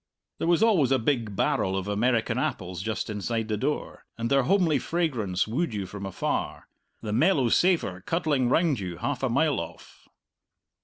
There was always a big barrel of American apples just inside the door, and their homely fragrance wooed you from afar, the mellow savour cuddling round you half a mile off.